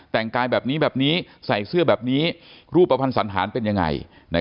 แต่งกายแบบนี้แบบนี้ใส่เสื้อแบบนี้รูปภัณฑ์สันธารเป็นยังไง